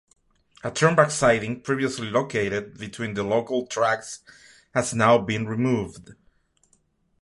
A turn-back siding previously located between the local tracks has now been removed.